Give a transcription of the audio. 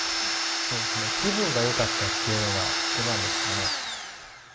そうですね気分が良かったっていうのが一番ですかね。